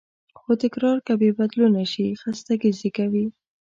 خو تکرار که بېبدلونه شي، خستګي زېږوي.